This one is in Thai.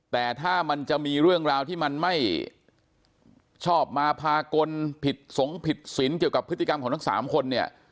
แต่ถ้ามันจะมีเรื่องราวที่มันไม่ชอบมาพากลผิดสงผิดสินเกี่ยวกับพฤติกรรมของทั้ง๓คนเนี่ย